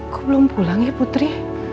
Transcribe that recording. gue belum pulang ya putri